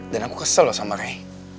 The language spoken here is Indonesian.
dan aku kesel loh sama ray